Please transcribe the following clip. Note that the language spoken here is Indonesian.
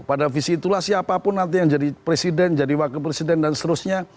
pada visi itulah siapapun nanti yang jadi presiden jadi wakil presiden dan seterusnya